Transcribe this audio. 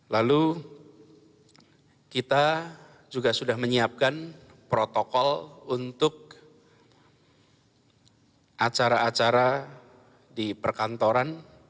lalu kita juga sudah menyiapkan protokol untuk acara acara di perkantoran